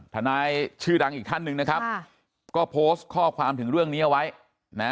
ทนายชื่อดังอีกท่านหนึ่งนะครับก็โพสต์ข้อความถึงเรื่องนี้เอาไว้นะ